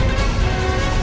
tidak ada yang bisa dihukum